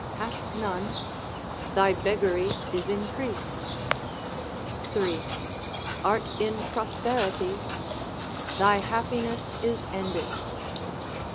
Hast none? thy beggary is increased.—3. Art in prosperity? thy happiness is ended.